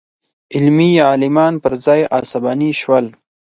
علمي عالمان پر ځای عصباني شول.